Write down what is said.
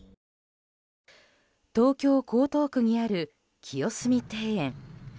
東京・江東区にある清登庭園。